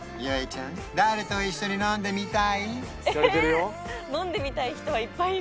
ちゃん誰と一緒に飲んでみたい？